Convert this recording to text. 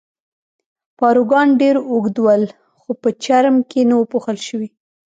پاروګان ډېر اوږد ول، خو په چرم کې نه وو پوښل شوي.